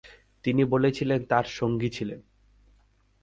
তিনি বলেছিলেন, "তিনি তাঁর সঙ্গী ছিলেন"।